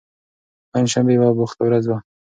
پنجشنبه یوه بوخته ورځ ده.